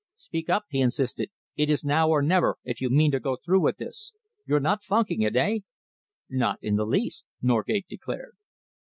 "Speak up," he insisted. "It is now or never, if you mean to go through with this. You're not funking it, eh?" "Not in the least," Norgate declared.